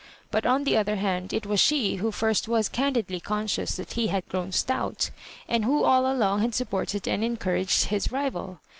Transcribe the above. But, on the other hand, it was she who first was candidly con scious that he had grown stout, and who all along had supported and encoufaged his rival.